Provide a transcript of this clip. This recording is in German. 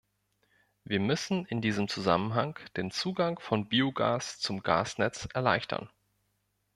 Wir müssen in diesem Zusammenhang den Zugang von Biogas zum Gasnetz erleichtern.